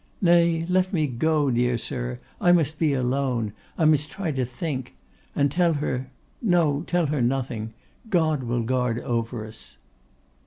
Nay, let me go, dear sir! I must be alone, I must try to think. And tell her, no, tell her nothing. God will guard over us!